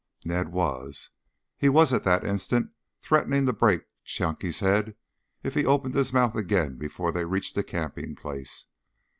Ned was. He was at that instant threatening to break Chunky's head if he opened his mouth again before they reached the camping place.